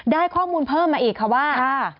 ได้ข้อมูลเพิ่มมาอีกค่ะว่า